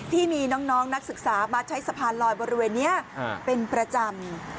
ที่มีน้องนักศึกษามาใช้สะพานลอยบริเวณนี้เป็นประจำ